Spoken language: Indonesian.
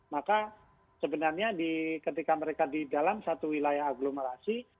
maka sebenarnya ketika mereka di dalam satu wilayah aglomerasi